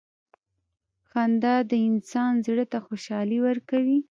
• خندا د انسان زړۀ ته خوشحالي ورکوي.